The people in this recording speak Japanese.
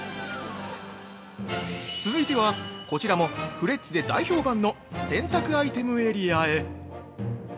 続いては、こちらもフレッツで大評判の洗濯アイテムエリアへ！